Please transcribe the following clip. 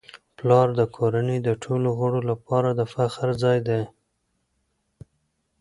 پلار د کورنی د ټولو غړو لپاره د فخر ځای دی.